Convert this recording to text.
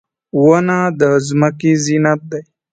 • ونه د ځمکې زینت دی.